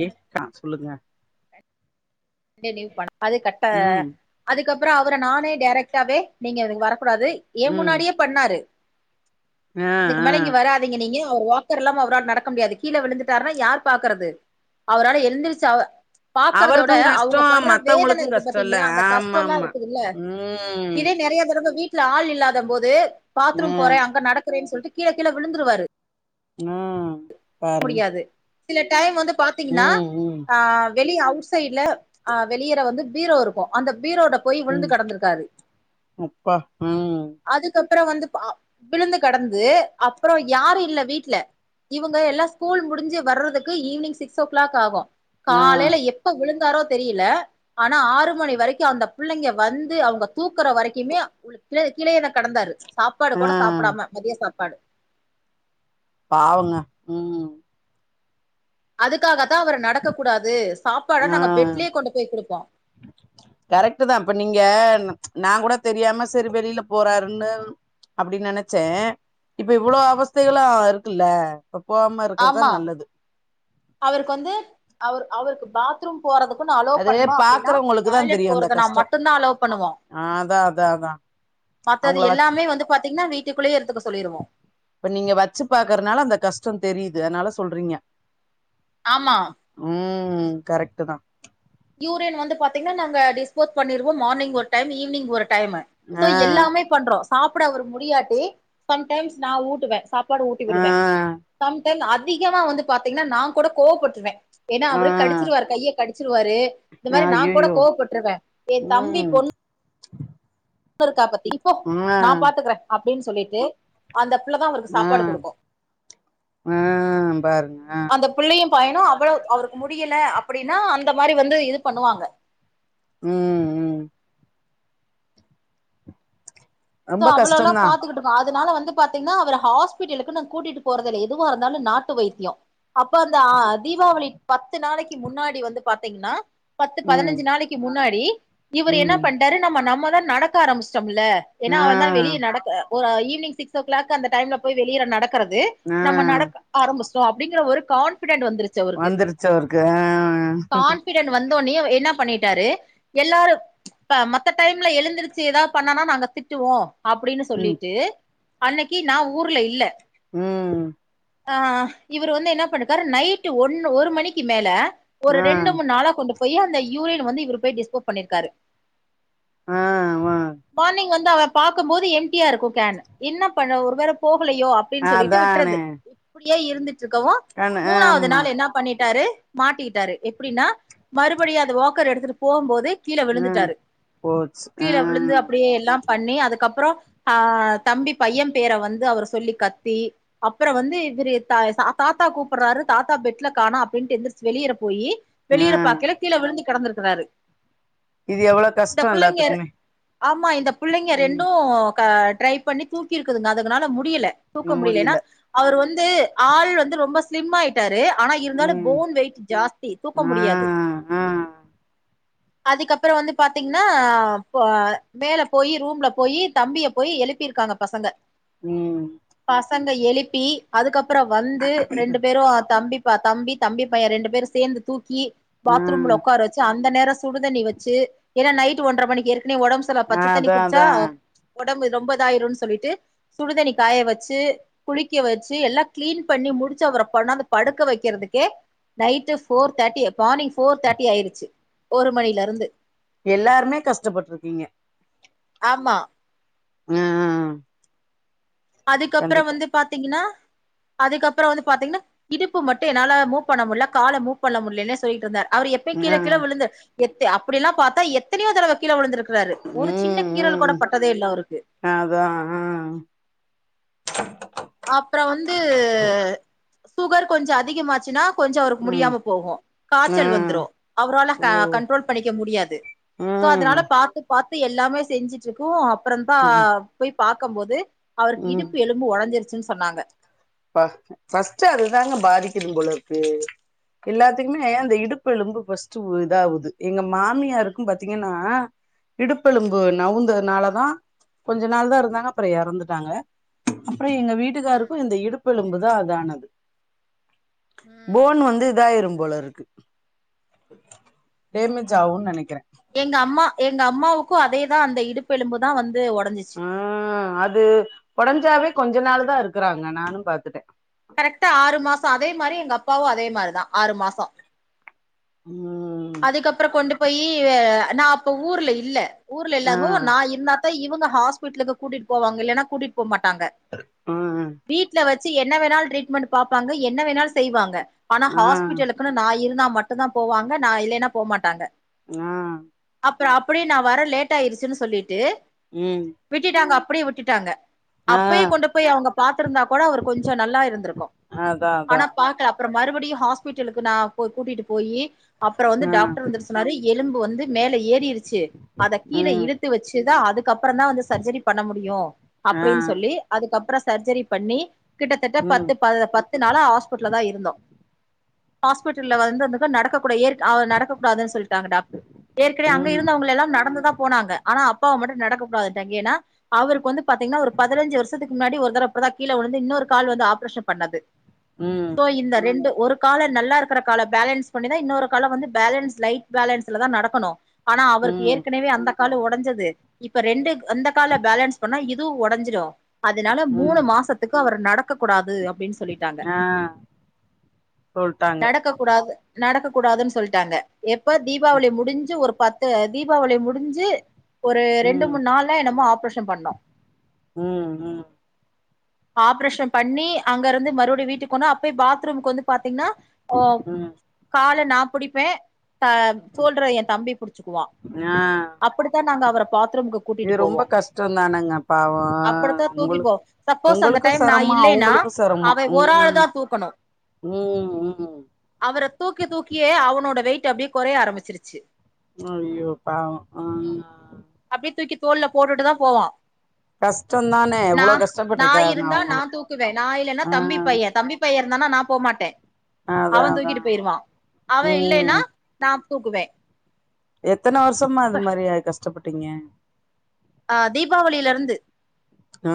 ஏ கா சொல்லுங்க டெலிவுபாணா அது கட்ட ம் அதுக்கப்பறோ அவர நானே டேரெக்டாவே நீங்க இதுக்கு வரக்கூடாது ஏன் ம் முன்னாடியே பண்ணாரு ஆ இதுக்கு ஆ மேல இங்க வரா தீங்க நீங்க அவர் வாக்கர் இல்லாம அவரால நடக்க முடியாது கீழ விழுந்துட்டாருன்னா யார் பாக்குறது அவரால எழுந்திரிச்சு அவ பாக்கறதவ ட அவருக்கு அவுங்க கஷ்டோ படுற வேதன மத்தவங்களுக்கு இருக்கு கஷ்டோ இல்ல பாத்தீங்களா அந்த கஷ்ட ஆமா எல்லா ஆமா இருக்குதுல்ல ம் இதே நெறைய தடவ வீ ட்ல ஆள் இல்லாத போது பாத்ரூம் போறே ம் அங்க நடக்குறே சொல்ட்டு கீழ கீழ விழுந்துருவாரு ம் பாருங்க முடியாது சில டைம் வந்து பா த்தீங்கன்னா ம் ம் அ வெளி அவுட் சைட்ல அ வெளியேற வந்து பீரோ இருக்கு அந்த பீரோட போய் விழுந்து ம் கெடந்திருக்காரு அப்பா ம் அதுக்கப்பறோ வந்து பா விழுந்து கெடந்து அப்பறோ யாரு இல்ல வீட்ல இவங்க எல்லா ஸ்கூல் முடிஞ்சு வர்றதுக்கு ஈவினிங் சிக்ஸ் ஓ க்ளாக் ஆகு ஆ காலேல எ ப்ப விழுந்தாரோ தெரியல ஆனா ஆறு மணி வரைக்கு அந்த பிள்ளைங்க வந்து அவுங்க தூக்குற வரைக்குமே கிழ கீழயே தா கெடந்தாரு சாப்பாடு ஆ கூட சாப்டாம மதிய சாப்பாடு பாவங்க ம் அதுக்காக தா அவர் நடக்க கூடாது சாப்பாட ஆ நாங்க பெட்லயே கொண்டு போய் குடுப்போ கரெக்ட்டு தா இப்ப நீங்க நா கூட தெரியாம செரி வெளில போறாருன்னு அப்பிடி நெனச்சே இப்ப இவ்ளோ அவஸ்தைகளா இருக்குல்ல அப்ப போகாம இருக்கறது தா ஆமா நல்லது அவருக்கு வந்து அவரு அவருக்கு பாத் த்ரூம் போறதுக்கு நா அலோ அது பண்ணு அப்டினா பாக்குறவங்களுக்கு தா டாய்லட் தெரியு அந்த போறதுனா கஷ்டோ மட்டுந்தா அலோவ் பண்ணுவோ ஆ அதா அதா அதா மத்தது அவங்கள வச் எல்லாமே வந்து பாத்தீங்கன்னா வீட்டுக்குள்ளயே இருந்துத்துக்க சொல்லிருவோ இப்ப நீங்க வச்சு பாக்குறனால அந்த கஷ்டோ தெரியுது அதனால சொல்றீங்க ஆமா உம் கரெக்டு தா யூரின் வந்து பாத்தீங்கனா நாங்க டிஸ்போஸ் பண்ணிருவோ மார்னிங் ஒரு டைமு ஈவ்னிங் ஒரு டைமு சோ ஆ எல்லாமே பண்றோ சாப்பிட அவரு முடியாட்டி சம்டைம்ஸ் நா ஊட்டுவ சாப் பாடு ஊட்டி ஆ விடுவ சம்டைம் அதிகமா வந்து பாத்தீங்கனா நா கூட கோவபட்டுடுவ ஏனா ஆ அவரு கடிச்சிருவாரு கைய கடிச்சிருவாரு இந்த மாரி நா கூட அய்யய்யோ கோவப்பட்ருவ என் தம்பி ம் பொண் ணு இருக்கா பத்தி நீ போ ஆ நா பாத்துக்குற அப்டினு சொல்லிட்டு அந்த புள்ள தா அவருக்கு ஆ சாப்பாடு குடுக்கு ஆ பாருங்க ஆ அந்தப் புள்ளையு பயனு அவ்ளோ அவருக்கு முடியல அப்டினா அந்த மாரி வந்து இது பண்ணுவாங்க ம் ம் சோ ரொம்ப அவ்ளோல்லா கஷ்டந்தா பாத்துக்கட்டோ அதுனால வந்து பாத்தீங்கனா அவர ஹாஸ்பெடலுக்கு நா கூட்டிட்டு போறதுல எதுவா இருந்தாலு நாட்டு வைத்தியோ அப்ப அந்த அ தீபாவளி பத்து நாளைக்கு முன்னாடி வந்து பாத்தீங்கனா பத்து ம் பதினஞ்சு நாளைக்கு முன்னாடி இவரு என்ன ம் பன்னிட்டாரு நம்ப நம்பதா நடக்க ஆரம்பிச்சிடோம்ல ஏன்னா ஆ அவந்தா வெளிய நடக்க ஒரு ஈவினிங் சிகஸ் ஓ கிளாக் அந்த டைம்ல போய் வெளியில நடக்குறது ஆ நம்ப நடக்க ஆரம்பிச்சுட்டோ அப்டிங்கிற ஒரு கான்பிடெண்ட் வந்துருச்சு அவருக்கு வந்துருச்சு அவருக்கு அ அ ரிட்டன் வந்தோனே என்ன பண்ணிட்டாரு எல்லாரு இப்ப மத்த டைம்ல எழுந்துருச்சு ஏதாது பண்ணனா நாங்க திட் டுவோ அப்டினு ம் சொல்லிட்டு அன்னைக்கு நா ஊர்ல இல்ல ம் ஆ இவரு வந்து என்ன பண்ணிருக்காரு நைட்டு ஒன்னு ஒரு மணிக்கு மேல ஒரு ஆ ரெண்டு மூணு நாளா கொண்டு போயி அந்த யூரின் வந்து இவுரு போய் டிஸ்போஸ் பண்ணிருக்காரு ஆ வா மார்னிங் வந்து அத பாக்கு போது எம்டியா இருக்கு கேன் என்ன பண்ண ஒரு வேல போகலயோ அப் அப்டினு சொல்லிட்டு அதானே விட்றது இப்படியே இருந்துட்டு இருக்கவு கண் மூணாவது ஆமா நாளு என்ன பண்ணிட்டாரு மாட்டிகிட்டாரு எப்டினா மறுபடியு அது வாக்கர் எடுத்துட்டு போகுபோது கீழ ம் விழுந்துட்டாரு போச்சு ஆ கீழ விழுந்து அப்படியே எல்லா பண்ணி அதுக்கப்றோ ஆ தம்பி பைய பேர வந்து அவரு சொல்லி கத்தி அப்றோ வந்து இவருதா தாத்தா கூப்பறாரு தாத்தா பெட்ல காணோ அப்டின்டு எந்துருச்சு வெளியில போயி ஆ வெளியில பாக்கயில கீழ விழுந்து கெடந்திருக்கறாரு இது எவ்ளோ இந்த கஷ்டோ பிள்ளைங்க எல்லாத்துக்குமே ஆமா இந்த பிள்ளைங்க ம் ரெண்டு ட்ரை பண்ணி தூக்கிருக்குதுங்க அதுகனால முடியல தூக்க ம் முடியல என்னா முடில அவரு வந்து ஆள் வந்து ரொம்ப ஸ்லிம் ஆயிட்டாரு ஆனா இருந்தாலு ம் போன் வெயிட் ஜாஸ்தி தூக்க ஆ முடியாது ஆ அதுக்கப்றோ வந்து பாத்தீங்கன்னா ஆ போ மேல போயி ரூம்ல போயி தம்பிய போயி எழுப்பிருக்காங்க பசங்க ம் பசங்க எழுப்பி அதுக்கப்றோ வந்து ரெண்டு பேரு தம்பி தம்பி தம்பி பைய ரெண்டு பேரு சேர்ந்து தூக்கி ஆ பாத்ரூம்ல உட்கார வச் அந்த நேரோ சுடுதண்ணி வச்சு என்னா நைட் ஒன்றரை மணிக்கு ஏற்கனவே உடம்பு சரிலா ஆ தண்ணி அதா குடிச்சா அதா உடம்பு ரொம்ப இதாயிரும்னு சொல்லிட்டு சுடுதண்ணி காய வச்சு குளிக்க வச்சு எல்லா கிளீன் பண்ணி முடிச்சு அவர கொண்டாது படுக்க வைக்கிறதுக்கே night four thirty morning four thirty ஆயிடுச்சு ஒரு மணில இருந்து எல்லாருமே கஷ்டப்பட்டுருகீங்க ஆமா ஆ ஆ ஆ அதுக்கப்றோ வந்து பாத்திங்கன்னா அதுக்கறோ வந்து பாத்திங்ன்னா இடுப்பு மட்டு என்னால மூப் பண்ணமுட்ல்ல கால மூப் பண்ண முட்ல்லனே சொல்லிட்டு இருந்தே அவர் எப் பயு ஆ கீழ கீழ விழுந்து எத் அப்படில்லா பாத்தா எத்தனையோ தடவ கீழ விழுந்திருக் காரு ஒரு ம் சின்ன கீரல் ம் கூட பட்டதே இல்ல அவருக்கு அதா அ அப்றோ வந்து சுகர் கொஞ்சோ அதிகமாச்சுன்னா கொஞ்சோ அவ்ருக்கு ம் முடியாம போகு ஆ காச்சல் வந்ரு அவ்ரால ஓ கண்ட்ரோல் பண்ணிக்க முடியாது சோ அத ம் நாலபாத்து பாத்து எல்லாமே செஞ்சிட்டுருக்கவு அப்றோ தா ம் போய் பாக்கம்போது அவருக்கு ம் இடுப்பு எழும்பு பு ஒடஞ்சிருச்சுன்னு சொன்னாங்க பா பஸ்ட்ட் அதுதாங்க பாதிக்குது போலருக்கு எல்லாத்துக்குமே அந்த இடுப்பெலும்பு ஃபஸ்ட் இதாகுது எங்க மாமியாருக்கு பாத்திங்கன்னா ம் இடுப்பெலும்பு நவுந்ததுனாலதா கொஞ்ச நாள் தா இருந்தாங்க அப்றோ இறந்துட்டாங்க அப்றோ எங்க ம் வீட்டுக்காருக்கு இந்த இடுப்பெலும்புதா இதானது ம் போன் வந்து இதாயிரு போலருக்கு டேமேஜ் ஆவுன்னு நெனக்குற எங்க அம்மா எங்க அம்மாவுக்கு அதேதா அந்த இடுப்பெலும்பு தா வந்து ஒடஞ்சிச்சு அ அது ஒடஞ்சாவே கொஞ்ச நாளு தா இருக்குறாங்க நானு பாத்துட்டே கரெக்ட்டா ஆறு மாசோ அதே மாதிரி எங்க அப்பாவு அதே மாரிதா ஆறு மாசோ ம் அதுக்கப்றோ கொண்டு போயி நா அப்ப ஊர்ல இல்ல ஊர்ல ஆ இல்லாங்கோ நா இருந்தா‌ தா இவங்க ஹாஸ்பிட்லுக்கு கூட்டிட்டு போவாங்க இல்லன்னா கூட்டிட்டு போ மாட்டாங்க அ வீட்ல வச்சு என்ன வேணாலு ட்ரீட்மெண்ட் பாப்பாங்க என்ன வேணாலு செய்வாங்க ஆனா ஆ ஹாஸ்பிட்டலு க்குனு நா இருந்தா மட்டுதா போவாங்க நா இல்லேன்னா போமாட்டாங்க அ அப்றோ அப்டியே நா வர லேட் ஆயிருச்சுன்னு சொல்லிட்டு ம் விட்டுட்டாங்க அப்டியே விட்டுட்டாங்க ஆ அப்பயே கொண்டு போய் அவுங்க பாத்ருந்தா கூட அவர் கொஞ்சோ நல்லா இருந்ருக்கு அதா அதா ஆனா பாக்கல அப்றோ மறுபடியு ஹாஸ்பிட்டலுக்கு நா போய் கூட்டிட்டு போய்யி அப்றோ வந்து ஆ டாக்டர் வந்து சொன்னாரு எலும்பு வந்து மேல ஏறிருச்சு அத கீழே ம் இழுத்து வச்சுதா அதுக்கப்றோ தா வந்து சர்ஜரி பண்ண முடியு ஆ அப்படின்னு சொல்லி அதுக்கப்றோ சர்ஜரி பண்ணி கிட்டத்தட்ட ம் பத்து ப பத்து ஹாஸ்பிட்ல தா இருந்தோ ஹாஸ்பிட்டல்ல வந்தோந்துத்கோ நடக்கக்கூட ஏற அவர நடக்கக் கூடாதுன்னு சொல்லிட்டாங்க டாக்ட்ரு ஏற்கனவே அங்க ம் இருந்தவங்ளே எல்லா நடந்துதா போனாங்க ஆனா அப்பாவா மட்டு நடக்க கூடாதுன்னுட்டாங்க ஏன்னா அவருக்கு வந்து பாத்திங்ன்னா ஒரு பதினஞ்சு வருஷத்துக்கு முன்னாடி ஒரு தர அப்பதா கீழே வந்து இன்னொரு கால் வந்து ஆபரேஷன் பண்ணது ம் சோ இந்த ரெண்டு ஒரு கால நல்லா இருக்குற கால பேலன்ஸ் பண்ணிதா இன்னொரு கால வந்து பேலன்ஸ் லைட் பேலன்ஸ்ல தா நடக்கணு ஆனா அவருக்கு ம் ஏற்கனவே அந்த காலு ஒடஞ்சது இப்ப ரெண்டு அந்த கால பேலன்ஸ் பண்ணா இதுவு ஒடைஞ்சிடு அதுனால மூணு ம் மாசத்துக்கு அவர் நடக்கக்கூடாது அப்டின் சொல் லிட்டாங்க ஆ சொல்ட்டாங்க நடக்க கூடாது நடக்கக்கூடாதுன் சொல்ட்டாங்க எப்ப தீபாவளி முடிஞ்சு ஒரு பத் து தீபாவளி முடிஞ்சு ஒரு ரெண்டு ம் மூண் நாள்ல என்னமோ ஆப்ரேஷன் பண்ணோ ம்ம் ஆப்ரேஷு பண்ணி அங்கருந்து மறுவிடி வீட்டுக்கொனா அப்பெய் பாத்ரூம்க்கு வந்து பாத்தீங்னா ஓப் ம் கால நா புடிப்பே த சோல்ட்ற எ தம்பி புடிச்சுக்குவா ஞா அப்படித்தா நாங்க அவர பாத்ரூம்க்கு இது கூட்டிட்டு ரொம்ப போவோ கஷ்டோதானங்க பாவோ அப்படித்தா உங்குளு தூக்கிட்டு போவோ சப்போஸ் அந்த உங்களுக்கு டைம் நா செரம்ம இல்லைன்னா அவங்களுக்கு செரம்மா அவ ஒரு ஆள் உம் தா தூக்கணு உ உ அவர தூக்கி தூக்கியே அவ்னோட வெய்ட் அப்டியே கொறைய ஆரம்பிச்சிருச்சி அய்யோ பாவோ அ நா அப்டீ தூக்கி தோள்ல போட்டுட்டுதா போவா கஷ்டந்தானே நா எவ்ளோ நா கஷ்டப்பட்ருக்காங்க இருந்தா நா அவங்களு தூக்குவே நா இல்லேன்னா ஆ தம்பி பைய தம்பி பைய இருந்தானா நா போமாட்டே அ அதா அதா போய்ர்வா அவெ இல்லேன்னா ம் நா கூப்டுவே எத்தன வருஷமா இது மாரிய கஷ்டப்பட்டீங்க ஆ தீபாவளில இருந்து ஆ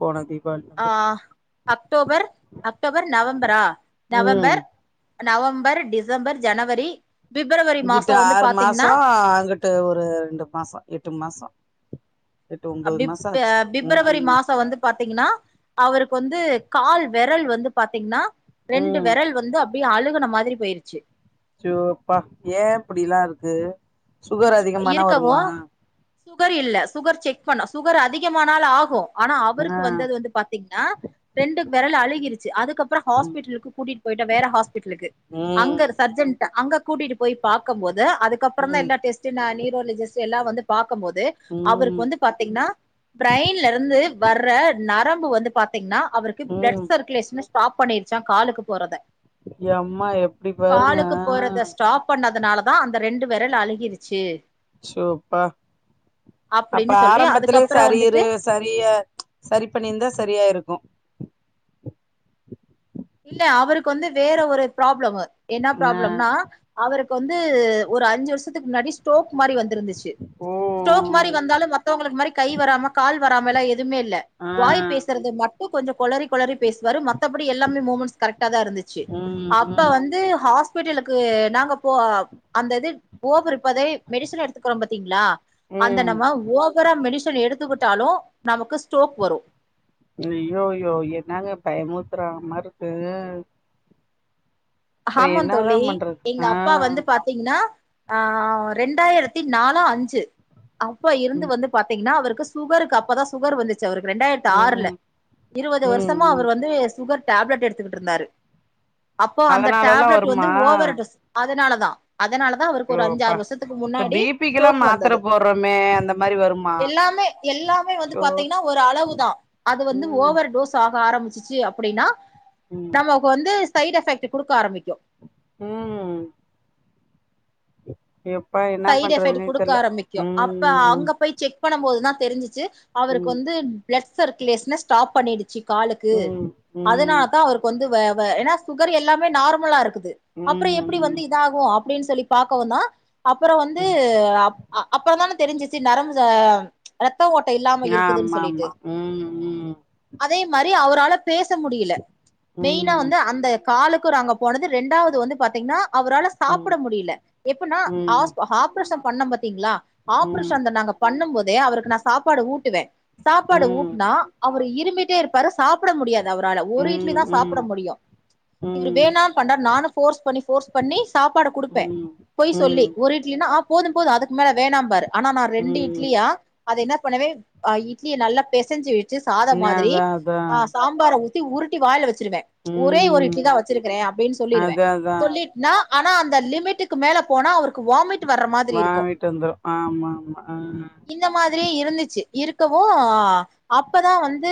போன தீபாள் ஆ அக்டோபர் அக்டோபர் நவம்பரா ம் நவம்பர் நவம்பர் டிசம்பர் ஜனவரி பிப்ரவரி இங்கிட்ட மாசோ வந்து ஆறு பாத்தீங்கன்னா மாசோ அங்கட்டு ஒரு ரெண்டு மாசோ எட்டு மாசோ எட்டு ஒன்பது மாசோ அப்டிப்பே ஆச்சு பிப்ரவரி ம் மாசோ வந்து பாத்தீங்கினா அவருக் வந்து கால் வெரல் வந்து பாத்தீங்னா ரெண்டு ம் வெரல் வந்து அப் பி அழுகுன மாதிரி போய்ர்ச்சி ச்சோப்பா ஏ இப்டிலா இருக்கு சுகர் அதிகமானா இருக்கவு வருமா சுகர் இல்ல சுகர் செக் பண்ணோ சுகர் அதிகமானாலு ஆகூ ஆனா அவருக்கு ஆ வந்தது வந்து பாத் திங்னா ரெண்டு வெரல் அழுகிருச்சி அதுக்கப்றோ ம் ஹாஸ்பிட்டல்க்கு கூட்டீட் போய்ட்டோ வேற ஹாஸ்பிட்லுக்கு ம் அங்கர் சர்ஜென்ட்டா அங்க கூட்டீட்டு போய் பாக்கம்போது அதுக்கப்பறந்தா ம் எல்லா டெஸ் ச்சின்னா நீரோலிஜிஸ்ட்டு எல்லா வந்து பாக்கம்போது அவருக் ம் வந்து பாத்தீங்னா ப்ரைன்லருந்து வர்ற நரம்பு வந்து பாத்தீங்னா அவருக்கு ப்ளட் ம் சர்க்குலேஷ்னு ஸ்டாப் பண்ணீர்ச்சா காலுக்கு போறத எம்மா எப்டி பாருங்க ஆ பண்ணதுனாலதா அந்த ரெண்டு வெரல் அழுகிருச்சி ச்சோப்பா அப்ப அப்படின்னு சொல்லி ஆரம்பத்துலே அதுக்கப்புறம் வந்துட்டு சரீருஸ் சரியா சரி பண்ணிந்தா சரியாய்ருக்கு இல்ல அவருக் வந்து வேற ஒரு ப்ராப்ளமு என்னா ஆ ப்ராப்ளம்னா அவருக் வந்து ஒரு அஞ்சு வருசத்துக்கு முன்னாடி ஸ்டோக் மாரி வந்திருந்துச்சி ஓ ஸ்டோக் மாரி வந்தாலு மத்தவ்களுக் மாரி கை வராம கால் வராம எல்லா எதுமே இல்ல ஆ வாய் பேஸ்றது மட்டு கொஞ்சோ கொளறி கொளறி பேஸ்வாரு மத்தபடி எல்லாமே மூமண்ஸ் கரக்டாதா இருந்து ச்சி ம் அப்ப ம் வந்து ஹாஸ் ஸ்பிட்டலுக்கு நாங்க போ அப் அந்த இது ஓப்பிருப்பதை மெடிசன் எடுத்துக்றோ பாத்தீங்ளா அந்த ம் நம்ம ஓவரா மெடிஷன் எடுத்துக்குட்டாலு நமக்கு ஸ்டோக் வரு அய்யோயோ என்னாங்க பயமூத்துற மார் ருக்கு ஹாமோந் தோழி என்னதான் பண்றது? ஆ. எங்கப்பா வந்து பாத் தீங்கன்னா அ ரெண்டாயிரத்தி நாலா அஞ்சு அப்ப இருந்து ம். வந்து பாத்தீங்ன்னா அவருக்கு சுகருக்கு அப்பதா சுகர் வந்துச்சு அவருக்கு ரெண்டாயிரத்தி ஆறுல ம். இருவது ம். வருஷம் மா ம். அவரு வந்து சுகர் டாப்லெட் எடுத்துக்கிட்டு இருந்தாரு இப்போ அந்த அதனாலலாம் டாப்லெட் வந்து வருமா? ஓவர் டோஸ் அதனால தா அதனால தா அவருக்கு ஐயோ ஒரு அஞ்சு அப்பா! ஆறு வருஷத்துக்கு இப்ப முன்னாடி பிபிக்கெல்லாம் ஸ்ட்டோக் மாத்திர வந்தது போடுறோமே! அந்த மாரி வருமா? எல்லாமே எல்லாமே வந்து அச்சோ! பாத்தீங்கனா ஒரு அளவுதா அது வந்து ம். ஓவர் டோஸ் ஆக ஆரம்பிச்சுச்சு அப் ப்டினா ம். நமக்கு வந்து சைடு எஃபெக்ட் குடுக்க ஆரம்பிக்கு ம் எப் சைடு எஃபெக்ட் குடுக்க ஆரம்பிக்கு அப்ப ம். அங்க போய் செக் பண்ணும் போது தா தெரிஞ்சுச்சு அவருக்கு ம். வந்து பிளட் சர்க்குலேஷன ஸ்டாப் பண்ணிடுச்சு காலுக்கு ம். ம். ம். அதுனால தா அவரு வந்து வ வ ஏனா சுகர் எல்லாமே நார்மலா இருக்குது அப்ற எப்டி ம். வந்து இதாகு அப்ப அப்டின்னு சொல்லி பாக்கவுந்தா அப்புற வந்து ம். அ அப்ப தானே தெரிஞ்சுச்சு நரம்புல ரத்த ஓட் ட இல்லாம இருக்குதுனு சொல்லிட்டு ஆமாமா. ம். ம். அதே மாறி அவரால பேச முடியல மெயினா ம். வந்து அந்த காலுக்கு நா அங்க போனது இரண்டாவது வந்து பாத்தீங்கனா அவரால ம். சாப்ட முடியல எப்பனா ம். ஆஸ் ஆப்ரேஷன் பண்ணம் பாத்தீங்களா ம். ஆப்ரேஷன் அந்த நாங்க பண்ணும் போதே அவருக்கு நா சாப்பாடு ஊட்டுவே ம் சாப்பாடு ஊட்னா அவரு இருமிட்டே இருப் சாப்ட முடியாது அவரால ம் ஒரு இட்லிதா ம் சாப்பட முடியு இவுரு ம் வேணா பண்றாரு நானூ ஃபோர்ஸ் பண்ணி ஃபோர்ஸ் பண்ணி சாப்பாடு குடுப்பே ம் பொய் சொல்லி ம் ஒரு இட்லினா ஆ போது போது அதுக்கு மேல வேணாம்பாரு ஆனா நா ரெண்டு ம் இட்லியா அது என்ன பண்ணுவே அ இட்லிய நல்லா பெசஞ்சு வச்சு சாத மாதிரி அதா அதா ஆ சாம்பார ஊத் தி உருட்டி வாயில வச்சிருவே ஒரே ஒரு ம் இட்லிதா வச்சிருக்கிறே அப்டீன் சொல்லிருவே அதா அதா சொல்லீட் னா ஆனா அந்த லிமிட்டுக்கு மேல போனா அவருக்கு வாமிட் வர்ற மாதிரி இருக்கு வாமிட் வந்துரு ஆமா ஆமா அ இந்த மாதிரியே இருந்துச்சு இருக்கவு அப்பதா வந்து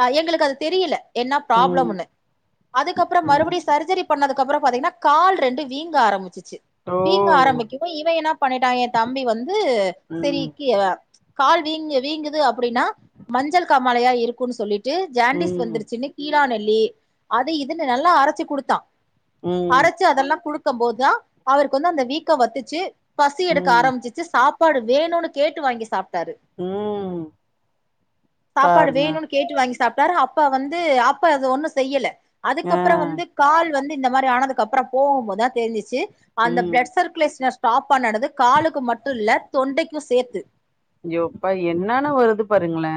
அ எங்களுக்கு அது தெரியல என்ன ம் ப்ராப்ளம்முனு அதுக்கப்ற மறுபடி ம் சர்ஜரி பண்ணதுக்கப்ற பாத்தீங்கனா கால் ரெண்டு வீங்க ஆரம்பிச்சுச்சு ஓ வீங்க ஆரம்பிக்குவு இவ என்ன பண்ணிட்டா என் தம்பி வந்து செரி ம் கீ கால் வீங்கு வீங்குது அப்டினா மஞ்சள் காமாலையா இருக்குனு சொல்லிட்டு ஜாண்டிஸ் ம் வந்துருச்சுன்னு கீழா நெல்லி அது இதுன்னு நல்லா அரச்சு குடுத்தா ம் அரச்சு அதெல்லா குடு கம் போது தா அவருக்கு வந்து அந்த வீக்க வத்துச்சு பசி எடுக்க ம் ஆரம்பிச்சு ச்சு சாப்பாடு வேணுனு கேட்டு வாங்கி சாப்ட்டாரு ம் சாப்பாடு பாருங்க வேணுன்னு கேட்டு வாங்கி சாப்ட்டாரு அப்ப வந்து அப்ப அது ஒன்னு செய்யல ஆ அதுக்கப்ற வந்து கால் வந்து இந்த மாறி ஆனதுக்கு அப்ற போகும்போதா தெரிஞ்சுச்சு அந்த ம் பிளட் சர்க்குலேஷன ஸ்டாப் ஆடது காலுக்கு மட்டு இல்ல தொண்டைக்கு சேத்து ஐயோப்பா என்னன வருது பாருங்களே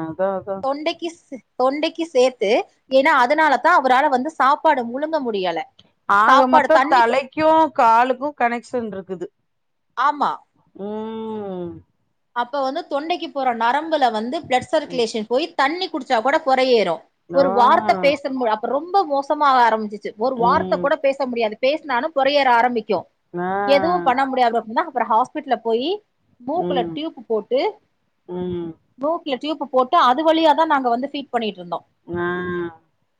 அதா அதா தொண்டைக்கு ஸ் தொண்டைக்கு சேத்து ஏனா அதனாலதா அவரால வந்து சாப்பாடு முழுங்க முடியல ஆக சாப்பாடு மொத்த தண்ணி தலைக்கு காலுக்கு கனெக்ஷன் இருக்குது ஆமா ம் அப்ப வந்து தொண்டைக்கு போற நரம்புல வந்து பிளட் ம் சர்க்குலேஷன் போயி தண்ணி குடிச்சா கூட பொறயேறு ஒரு வார்த்த பேசனும் அப்ப ரொம்ப மோசமாவஆரம்பிச்சிச்சு ஒரு வார்த்த கூட பேச முடியாது பேசுனாலு பொறையேற ஆரம்பிக்கு எதுவு பண்ண முடியாது அப்டின்னா அப்றம் ஹாஸ்பிடல்ல போயி மூக்குலட் டியூபு போட்டு மூக்குல டியூப்பு போட்டு அது வழியா தா நாங்க வந்து ஃபீட் பண்ணிட்டு இருந்தோம் அ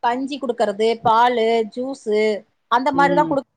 கஞ்சி குடுக்குறது பாலு ஜூஸு அந்த மாரிதா குடுக்